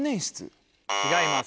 違います